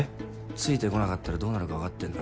ついてこなかったらどうなるか分かってんな。